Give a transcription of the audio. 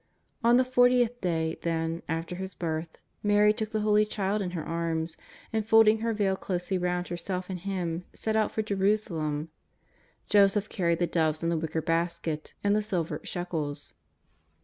On the fortieth day, then, after His birth, Mary' took the Holy Child in her arms, and folding her veil closely round herself and Him, set out for Jerusalem. Joseph carried the doves in a wicker basket, and the silver shekels.